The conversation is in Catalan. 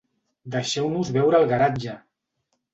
Deixeu-nos veure el garatge!